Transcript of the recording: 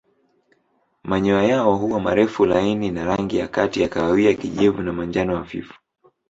Manyoya yao huwa marefu laini na rangi kati ya kahawia kijivu na manjano hafifu.